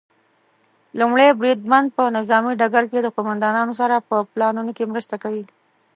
لومړی بریدمن په نظامي ډګر کې د قوماندانانو سره په پلانونو کې مرسته کوي.